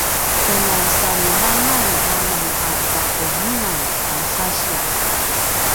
tjalja salimanan amen a taquvungan a sasiq